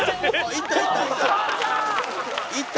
いったいった！